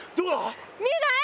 見えない？